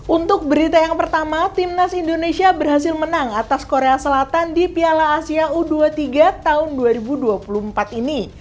untuk berita yang pertama timnas indonesia berhasil menang atas korea selatan di piala asia u dua puluh tiga tahun dua ribu dua puluh empat ini